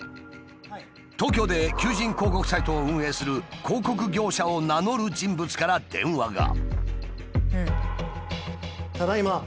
東京で求人広告サイトを運営する広告業者を名乗る人物から電話が。